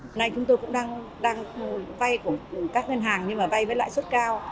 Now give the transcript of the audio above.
hôm nay chúng tôi cũng đang vay của các ngân hàng nhưng mà vay với lãi suất cao